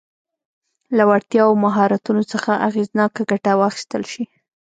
له وړتیاوو او مهارتونو څخه اغېزناکه ګټه واخیستل شي.